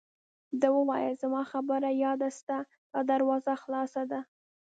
ده وویل: زما خبره یاد ساته، دا دروازه خلاصه ده.